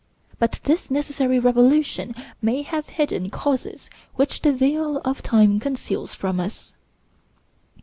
But this necessary revolution may have hidden causes which the veil of time conceals from us.